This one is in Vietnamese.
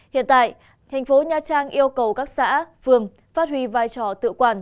hiện tại thành phố nha trang yêu cầu các xã phường phát huy vai trò tự quản